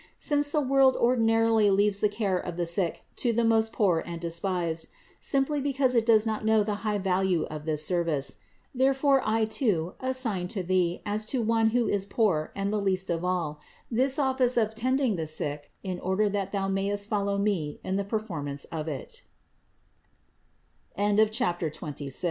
Since the world ordinarily leaves the care of the sick to the most poor and despised, simply because it does not know the high value of this service ; therefore I, too, assign to thee as to one who is poor and the least of all, this office of tending the sick, in order that thou mayest follow me in the p